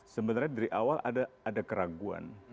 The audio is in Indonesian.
sebenarnya dari awal ada keraguan